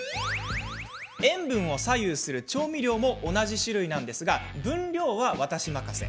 塩分を左右する調味料も同じ種類ですが分量は私任せ。